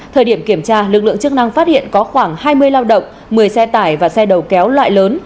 thời điểm kiểm tra lực lượng chức năng phát hiện có khoảng hai mươi lao động một mươi xe tải và xe đầu kéo loại lớn